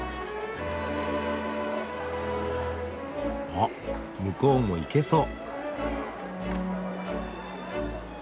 あっ向こうも行けそう。